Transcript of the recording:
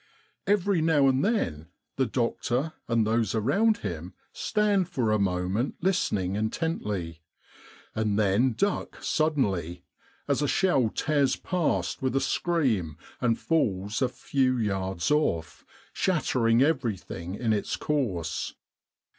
" Every now and then the doctor and those around him stand for a moment listening intently, and then duck suddenly as a shell tears past with a scream and falls a few yards off, shattering., everything in its course.